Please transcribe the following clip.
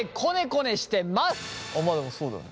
まあでもそうだよね。